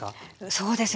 そうです。